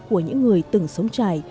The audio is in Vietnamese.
của những người từng sống trải